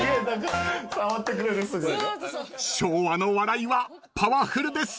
［昭和の笑いはパワフルです］